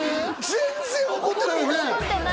全然怒ってないよね？